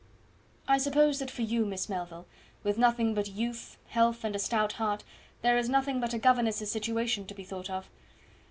"I suppose that for you, Miss Melville, with nothing but youth, health, and a stout heart, there is nothing but a governess's situation to be thought of.